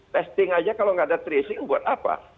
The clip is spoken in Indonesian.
testing aja kalau nggak ada tracing buat apa